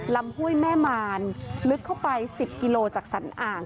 ห้วยแม่มารลึกเข้าไป๑๐กิโลจากสันอ่าง